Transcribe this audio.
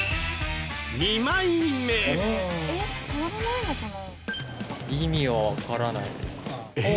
えっ伝わらないのかな？